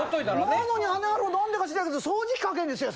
なのにあの野郎なんでか知らないけど掃除機かけんですよ